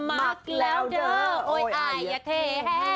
มักแล้วเด้อโอ้ยอายอย่าเทแห้งหลายเออ